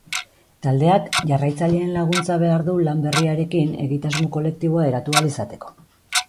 Taldeak jarraitzaileen laguntza behar du lan berriarekin egitasmo kolektiboa eratu ahal izateko.